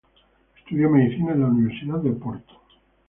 Estudió medicina en la Universidad de Oporto.